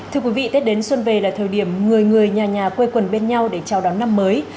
thưa quý vị tết đến xuân về là thời điểm người người nhà nhà quê quần bên nhau để chào đón năm mới